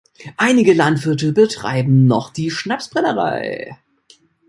Einige Landwirte betreiben noch die Schnapsbrennerei.